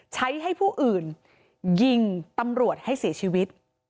ให้ผู้อื่นยิงตำรวจให้เสียชีวิต